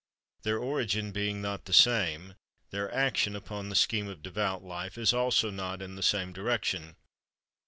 Their origin being not the same, their action upon the scheme of devout life is also not in the same direction.